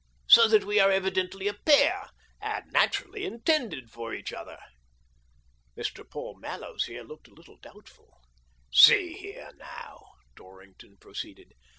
So we are evidently a pair, and naturally intended for each other !" Mr. Paul Mallows here looked a little doubtful. "See here, now," Dorrington proceeded.